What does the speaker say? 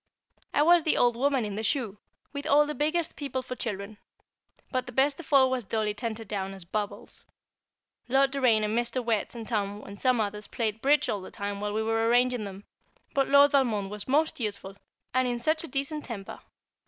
I was the Old Woman in the Shoe, with all the biggest people for children; but the best of all was Dolly Tenterdown as "Bubbles." Lord Doraine and Mr. Wertz and Tom and some others played "Bridge" all the time while we were arranging them; but Lord Valmond was most useful, and in such a decent temper.